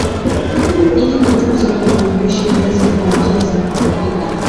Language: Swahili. Ili kutunza virutubishi viazi vina njia za kuvipika